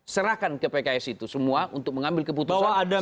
serahkan ke pks itu semua untuk mengambil keputusan